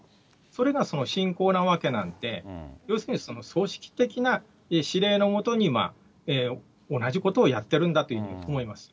それが信仰なわけなんで、要するに組織的な指令の下に、同じことをやってるんだと思います。